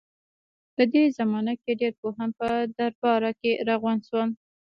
په دې زمانه کې ډېر پوهان په درباره کې راغونډ شول.